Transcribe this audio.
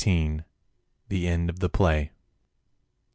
THE END OF THE PLAY.